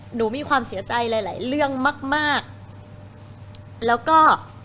หนูมีความเสียใจหลายหลายเรื่องมากมากแล้วก็